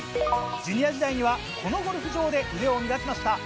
ジュニア時代にはこのゴルフ場で腕を磨きました。